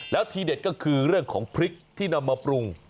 แล้วทีเด็ดก็คือเรื่องของพริกที่นำมาปรุง